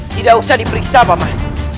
tidak usah diperiksa pak mah